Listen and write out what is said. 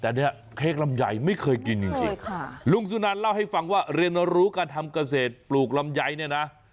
แต่เนี่ยเค้กลำไยไม่เคยกินจริงลุงสุนันเล่าให้ฟังว่าเรียนรู้การทำเกษตรปลูกลำไยเนี่ยนะ